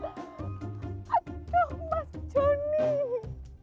ah aduh mas jonie